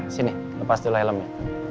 sini lepas dulu helmnya